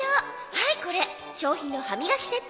はいこれ賞品の歯磨きセット。